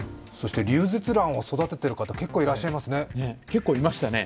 リュウゼツランを育てている方、結構いらっしゃいますね。